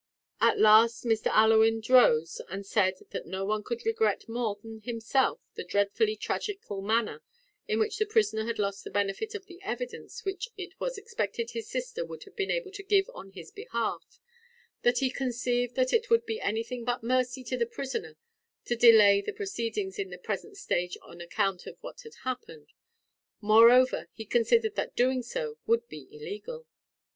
At last Mr. Allewinde rose and said that no one could regret more than himself the dreadfully tragical manner in which the prisoner had lost the benefit of the evidence, which it was expected his sister would have been able to give on his behalf; that he conceived that it would be anything but mercy to the prisoner to delay the proceedings in their present stage on account of what had happened; moreover, he considered that doing so would be illegal.